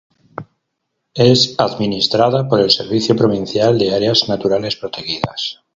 Es administrada por el Servicio Provincial de Áreas Naturales Protegidas.